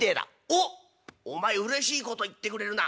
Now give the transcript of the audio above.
「おっお前うれしいこと言ってくれるな。